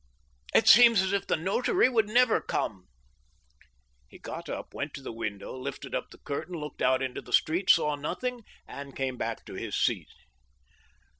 It seems as if the notary would never come." He got up, went to the window, lifted up the curtain, looked out into the street, saw nothing, and came back to his seat.